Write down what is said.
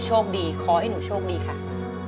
ร้องได้ให้ล้าน